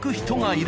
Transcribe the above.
人が。